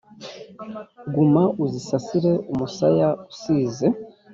Gumya uzisasire umusaya usize